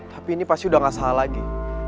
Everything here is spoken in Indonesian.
tapi ini pasti udah gak salah lagi